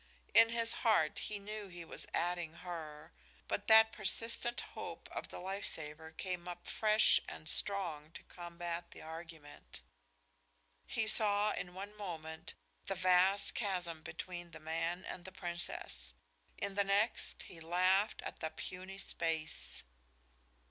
In his heart he knew he was adding horror, but that persistent hope of the life saver came up fresh and strong to combat the argument. He saw, in one moment, the vast chasm between the man and the princess; in the next, he laughed at the puny space.